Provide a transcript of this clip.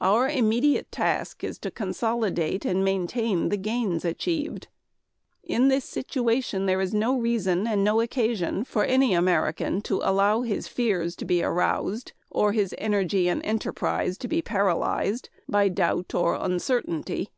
Our immediate task is to consolidate and maintain the gains achieved. "In this situation there is no reason and no occasion for any American to allow his fears to be aroused or his energy and enterprise to be paralyzed by doubt or uncertainty."